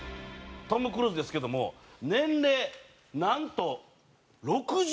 トム・クルーズですけども年齢なんと６１歳です。